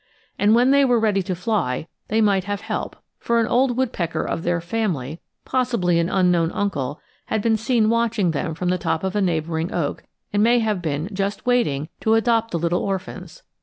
And when they were ready to fly, they might have help; for an old woodpecker of their family possibly an unknown uncle had been seen watching them from the top of a neighboring oak, and may have been just waiting to adopt the little orphans.